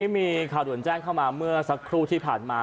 มีข่าวด่วนแจ้งเข้ามาเมื่อสักครู่ที่ผ่านมา